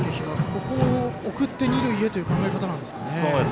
ここを送って二塁へという考え方なんですか。